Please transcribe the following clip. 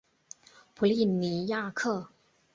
普利尼亚克。